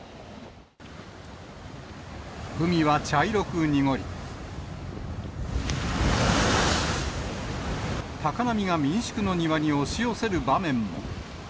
海は茶色く濁り、高波が民宿の庭に押し寄せる場面も。